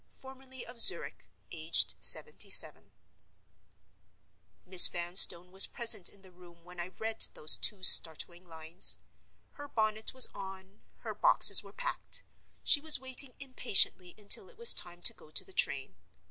formerly of Zurich, aged 77." Miss Vanstone was present in the room when I read those two startling lines. Her bonnet was on; her boxes were packed; she was waiting impatiently until it was time to go to the train.